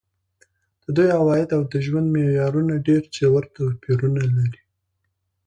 د دوی عواید او د ژوند معیارونه ډېر ژور توپیرونه لري.